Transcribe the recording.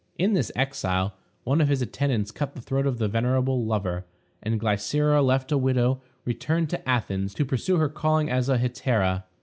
In this exile, one of his attendants cut the throat of the venerable lover, and Glycera, left a widow, returned to Athens to pursue her calling as a hetaira.